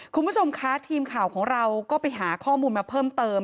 คุณผู้ชมคะทีมข่าวของเราก็ไปหาข้อมูลมาเพิ่มเติม